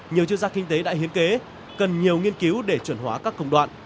nhiều chuyên gia kinh tế đã hiến kế cần nhiều nghiên cứu để chuẩn hóa các công đoạn